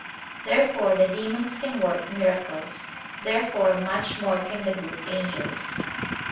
Therefore the demons can work miracles. Therefore much more can the good angels.